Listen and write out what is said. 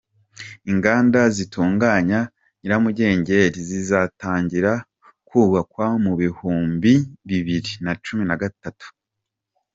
Inganda zitunganya nyiramugengeri zizatangira kubakwa mu bihumbi bibiri nacumi nagatatu